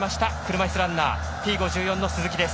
車いすランナーＴ５４の鈴木です。